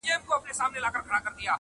د هندو او مرهټه په جنګ وتلی!!